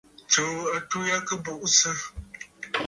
Tsuu atû ya kɨ buʼusə.